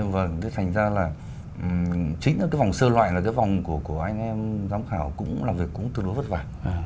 vâng thành ra là chính cái vòng sơ loại là cái vòng của anh em giám khảo cũng làm việc cũng tương đối vất vả